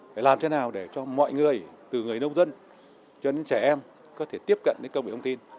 phải làm thế nào để cho mọi người từ người nông dân cho đến trẻ em có thể tiếp cận đến công nghệ thông tin